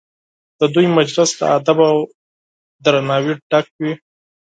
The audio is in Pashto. د دوی مجلسونه له ادب او احترامه ډک وي.